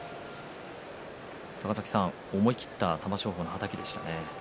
高崎さん思い切った、はたきでしたね。